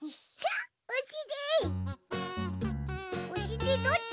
おしりどっち？